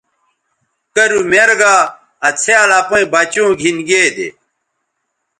کرُو میر گا آ څھیال اپئیں بچوں گھِن گے دے۔